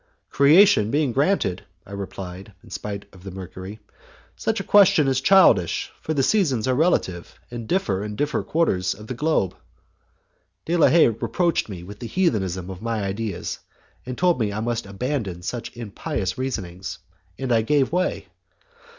"Creation being granted," I replied, in spite of the mercury, "such a question is childish, for the seasons are relative, and differ in the different quarters of the globe." De la Haye reproached me with the heathenism of my ideas, told me that I must abandon such impious reasonings.... and I gave way!